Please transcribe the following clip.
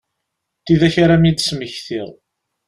Tidak ara m-id-smektiɣ.